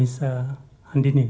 dan di sebelahnya ada anissa andini